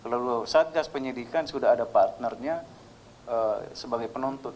lalu satgas penyidikan sudah ada partnernya sebagai penuntut